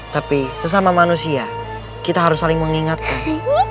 tapi sesama manusia kita harus saling mengingatkan